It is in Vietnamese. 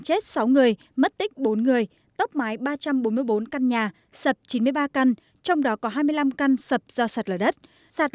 chết sáu người mất tích bốn người tốc mái ba trăm bốn mươi bốn căn nhà sập chín mươi ba căn trong đó có hai mươi năm căn sập do sạt lở đất sạt